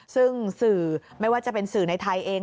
ซึ่งสื่อไม่ว่าจะเป็นสื่อในไทยเอง